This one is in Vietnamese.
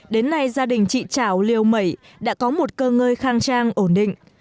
đến nay gia đình chị trảo liều mẩy đã có một cơ ngơi khang trang ổn định